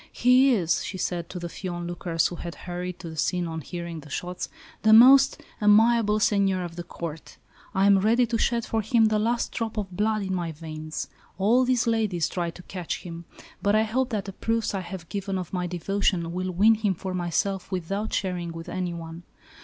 "He is," she said to the few onlookers who had hurried to the scene on hearing the shots, "the most amiable seigneur of the Court. I am ready to shed for him the last drop of blood in my veins. All these ladies try to catch him, but I hope that the proofs I have given of my devotion will win him for myself without sharing with anyone.